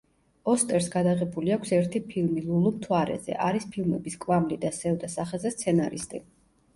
ოსტერს გადაღებული აქვს ერთი ფილმი „ლულუ მთვარეზე“, არის ფილმების „კვამლი“ და „სევდა სახეზე“ სცენარისტი.